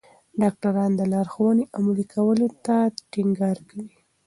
ډاکټران لارښوونې عملي کولو ته ټینګار کوي.